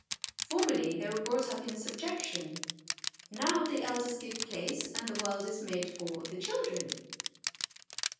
Formerly, they were brought up in subjection ; now, the elders give place, and the world is made for the children.